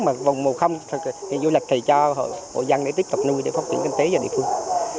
mà vùng màu không thì du lịch thì cho hội dân để tiếp tục nuôi để phát triển kinh tế cho địa phương